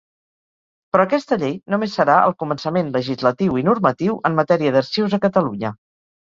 Però aquesta llei només serà el començament legislatiu i normatiu en matèria d'arxius a Catalunya.